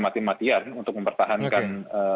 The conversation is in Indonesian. mati matian untuk mempertahankan